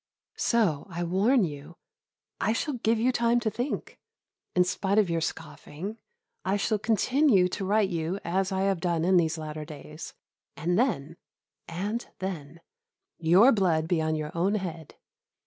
So, I warn you. I shall give you time to think; in spite of your scoffing, I shall continue to write to you as I have done in these latter days; and then and then your blood be on your own head.